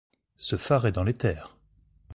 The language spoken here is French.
Ce phare est dans les terres.